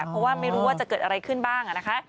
เพราะว่าไม่รู้ว่าจะเกิดอะไรขึ้นบ้างนะคะ